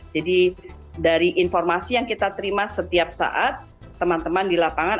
jadi dari informasi yang kita terima setiap saat teman teman di lapangan